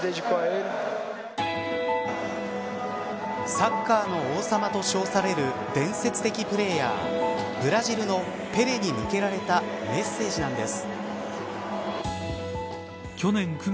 サッカーの王様と称される伝説的プレーヤー、ブラジルのペレに向けられたメッセージなんです。